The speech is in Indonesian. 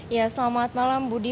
ya selamat malam budi